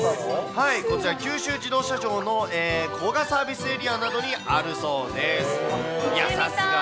はい、こちら、九州自動車道の古賀サービスエリアなどにあるそうです。